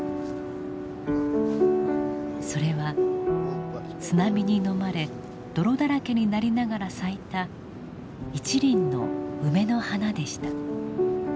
それは津波にのまれ泥だらけになりながら咲いた一輪の梅の花でした。